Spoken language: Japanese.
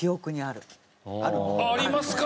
あっありますか？